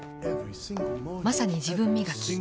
まさに自分磨き。